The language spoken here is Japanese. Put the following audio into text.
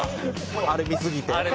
あれ見すぎて？